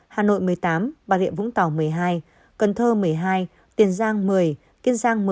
hà nội một mươi tám bà địa vũng tỏ một mươi hai cần thơ một mươi hai tiền giang một mươi kiên giang một mươi sắp trăng tám